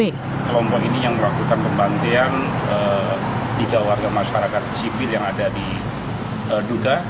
kelompok ini yang melakukan pembantian tiga warga masyarakat sipil yang ada di duga